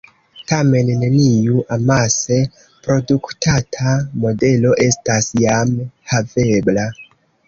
Tamen neniu amase produktata modelo estas jam havebla.